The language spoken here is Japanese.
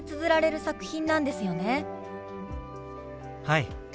はい。